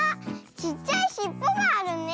ちっちゃいしっぽがあるね。